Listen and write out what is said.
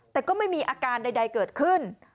แต่ก็ไม่มีอาการใดเกิดขึ้น